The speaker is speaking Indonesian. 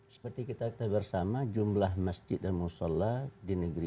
seperti kita bersama jumlah masjid dan musyola di negeri